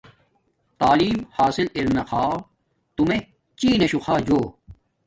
تعیلم حاصل ارا خاہ تومیے چین ناشو خا جو